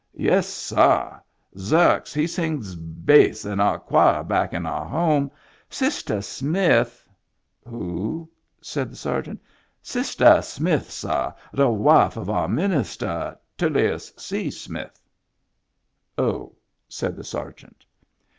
"Yes, sah. Xerx he sings bass in our choir back in our home. Sistah Smith —"" Who ?" said the sergeant. "Sistah Smith, sah, the wife of our ministah, TuUius C. Smith." " Oh," said the sergeant.